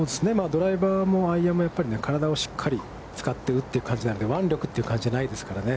ドライバーも、アイアンも、体をしっかり使って打ってる感じなので、腕力という感じじゃないですからね。